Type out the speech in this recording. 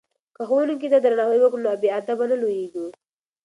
که ښوونکي ته درناوی وکړو نو بې ادبه نه لویږو.